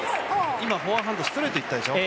今、フォアハンド、ストレートいったでしょう？